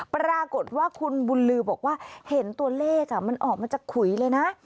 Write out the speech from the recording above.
ปรากฏว่าคุณบุญลือบอกว่าเห็นตัวเลขมันออกมาจากขุยเลยนะ